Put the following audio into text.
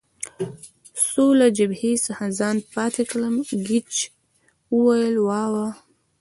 څو له جبهې څخه ځان پاتې کړم، ګېج وویل: وا وا.